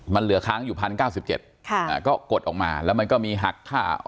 มันเหลือค้างอยู่พันเก้าสิบเจ็ดค่ะอ่าก็กดออกมาแล้วมันก็มีหักค่า